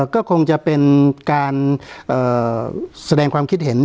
ก็คงจะเป็นการแสดงความคิดเห็น